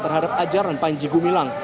terhadap ajaran panji gumilang